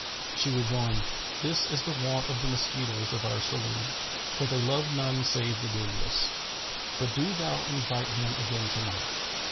She rejoined, "This is the wont of the mosquitoes of our saloon; for they love none save the beardless. But do thou invite him again to night."